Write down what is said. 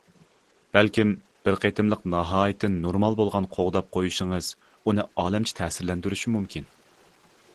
بەلكىم بىر قېتىملىق ناھايىتى نورمال بولغان قوغداپ قويۇشىڭىز ئۇنى ئالەمچە تەسىرلەندۈرۈشى مۇمكىن.